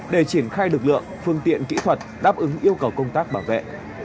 để triển khai lực lượng phương tiện kỹ thuật đáp ứng yêu cầu công tác bảo vệ